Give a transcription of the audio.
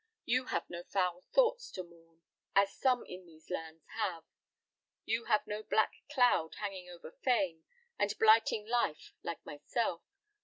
You have no foul thoughts to mourn, as some in these lands have. You have no black cloud hanging over fame, and blighting life, like myself.